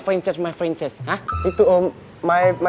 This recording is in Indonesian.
kita akan datang ke rumah